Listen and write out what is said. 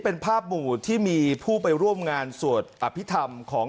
เป็นภาพหมู่ที่มีผู้ไปร่วมงานสวดอภิษฐรรมของ